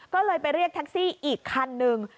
ก็เลยไปเรียกแท็กซี่อีกคันนึง